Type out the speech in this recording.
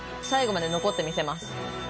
最後まで残ってみせます。